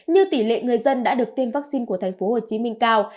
như tỷ lệ người dân đã được tiêm vắc xin của thành phố hồ chí minh cao